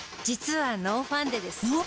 実はノーファンデです。